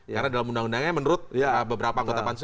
karena dalam undang undangnya menurut beberapa anggota pansu